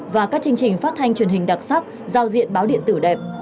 và các chương trình phát thanh truyền hình đặc sắc giao diện báo điện tử đẹp